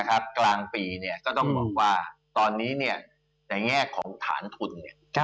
ครับกลางปีเนี่ยก็ต้องบอกว่าตอนนี้เนี่ยในแง่ของฐานทุนเนี่ย